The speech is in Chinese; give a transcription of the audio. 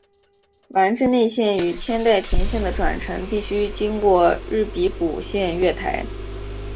丸之内线与千代田线的转乘必须经过日比谷线月台。